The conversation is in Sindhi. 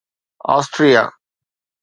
آسٽريا